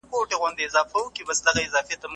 ښځه او سړی په ګډه د سړک پر لور روان شول.